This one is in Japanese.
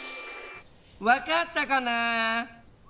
わかったかな？